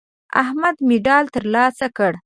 احمد مډال ترلاسه کړ.